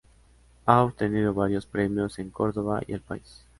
Ha obtenido varios premios en Córdoba y el país.